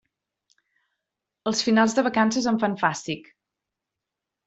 Els finals de vacances em fan fàstic.